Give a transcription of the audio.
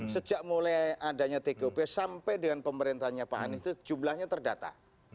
sejak mulai adanya tgp sampai dengan pemerintahnya pak anies itu jumlahnya terdata